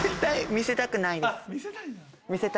見せたくない。